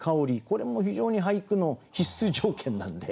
これも非常に俳句の必須条件なんで。